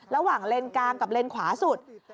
ระหว่างเลนกลางกับเลนขวาสุด